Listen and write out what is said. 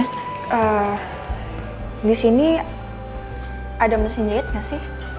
eh disini ada mesin jahit gak sih